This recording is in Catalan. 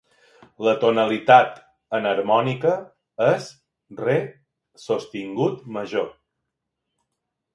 La tonalitat enharmònica és re sostingut major.